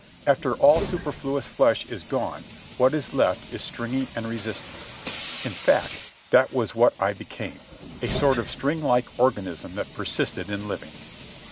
After all superfluous flesh is gone what is left is stringy and resistant. In fact, that was what I became—a sort of string like organism that persisted in living.